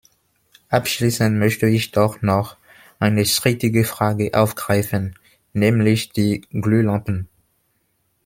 Abschließend möchte ich doch noch eine strittige Frage aufgreifen, nämlich die Glühlampen.